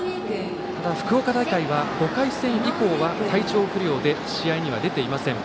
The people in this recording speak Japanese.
福岡大会は５回戦以降は体調不良で試合には出ていません。